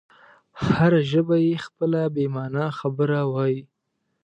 هره ژبه یې خپله بې مانا خبره وایي.